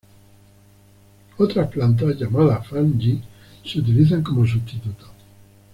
Otras plantas llamadas "fang ji" se utilizan como sustitutos.